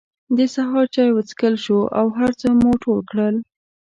د سهار چای وڅکل شو او هر څه مو ټول کړل.